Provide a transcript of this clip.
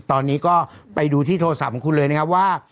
ตอนนี้ก็ไปดูที่โทรศัพท์ของคุณเลยนะครับว่า